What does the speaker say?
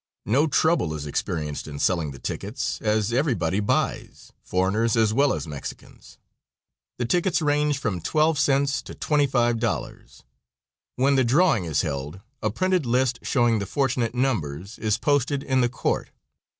No trouble is experienced in selling the tickets, as everybody buys, foreigners as well as Mexicans. The tickets range from twelve cents to twenty five dollars. When the drawing is held a printed list showing the fortunate numbers is posted in the court.